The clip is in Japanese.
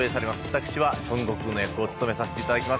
私は孫悟空の役を務めさせていただきます。